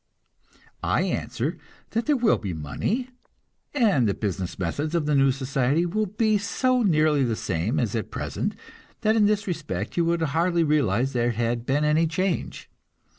I answer that there will be money, and the business methods of the new society will be so nearly the same as at present that in this respect you would hardly realize there had been any change.